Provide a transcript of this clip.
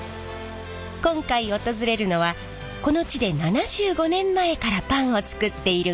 今回訪れるのはこの地で７５年前からパンを作っている工場。